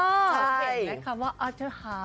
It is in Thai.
เห็นไหมคำว่าออทเทอร์ฮาฟ